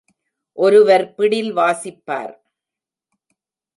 ஒருவர் பிடில் வாசிப்பார்.